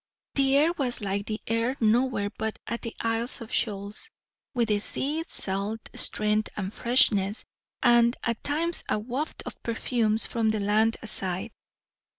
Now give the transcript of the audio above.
The air was like the air nowhere but at the Isles of Shoals; with the sea's salt strength and freshness, and at times a waft of perfumes from the land side.